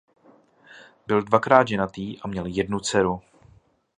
Byl dvakrát ženatý a měl jednu dceru.